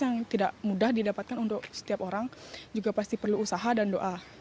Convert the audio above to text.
yang tidak mudah didapatkan untuk setiap orang juga pasti perlu usaha dan doa